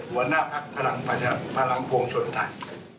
หัวหน้าภักษ์พลังพวงชนภัย